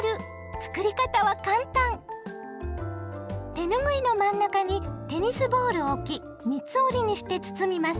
手ぬぐいの真ん中にテニスボールを置き三つ折りにして包みます。